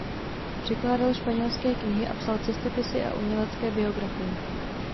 Překládal španělské knihy a psal cestopisy a umělecké biografie.